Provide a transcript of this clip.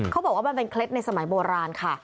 เขาบอกว่ามันเป็นเคล็ดในสมัยโบราณค่ะ